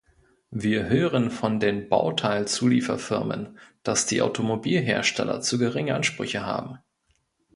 Wir hören von den Bauteil-Zulieferfirmen, dass die Automobilhersteller zu geringe Ansprüche haben.